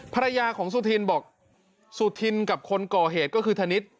ภรรยาของสุธินบอกสุธินกับคนก่อเหตุก็คือธนิษฐ์